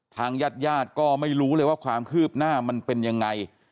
ทางญาติญาติก็ไม่รู้เลยว่าความคืบหน้ามันเป็นยังไง